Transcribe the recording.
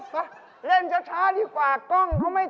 จ๊ะเล่นก็ช้าดีกว่ากล้องเขาไม่ทัน